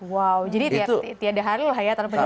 wow jadi tiada hari lah ya